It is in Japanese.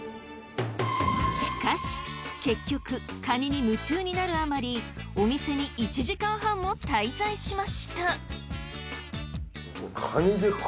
しかし結局かにに夢中になるあまりお店に１時間半も滞在しました。